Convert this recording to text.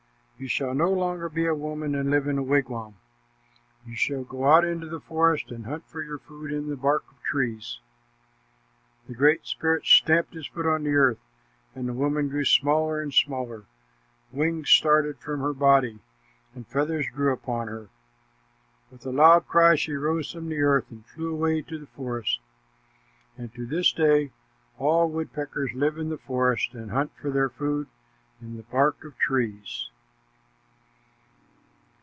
You shall no longer be a woman and live in a wigwam. You shall go out into the forest and hunt for your food in the bark of trees." The Great Spirit stamped his foot on the earth, and the woman grew smaller and smaller. Wings started from her body and feathers grew upon her. With a loud cry she rose from the earth and flew away to the forest. And to this day all woodpeckers live in the forest and hunt for their food in the bark of trees.